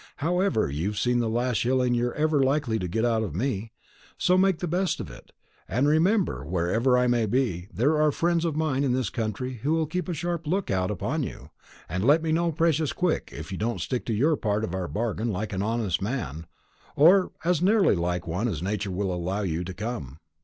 However, you've seen the last shilling you're ever likely to get out of me; so make the best of it; and remember, wherever I may be, there are friends of mine in this country who will keep a sharp look out upon you, and let me know precious quick if you don't stick to your part of our bargain like an honest man, or as nearly like one as nature will allow you to come.